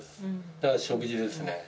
だから食事ですね。